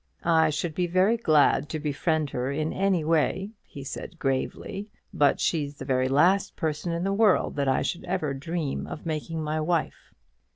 "I should be very glad to befriend her in any way," he said gravely; "but she's the very last person in the world that I should ever dream of making my wife."